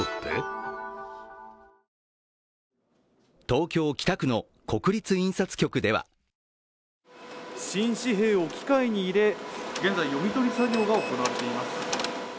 東京・北区の国立印刷局では新紙幣を機械に入れ、現在、読み取り作業が行われています。